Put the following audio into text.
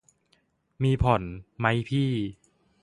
มีผ่อน มั้ยพี่